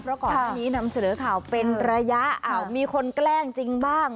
เพราะก่อนหน้านี้นำเสนอข่าวเป็นระยะมีคนแกล้งจริงบ้าง